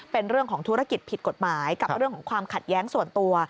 เป็นเรื่องของธุรกิจผิดกฎหมายกับเรื่องของความขัดแย้งส่วนตัว